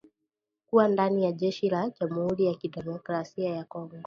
kuwa ndani ya jeshi la jamuhuri ya kidemokrasia ya Kongo